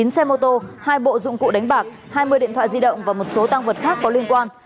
chín xe mô tô hai bộ dụng cụ đánh bạc hai mươi điện thoại di động và một số tăng vật khác có liên quan